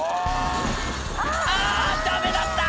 「あぁダメだった！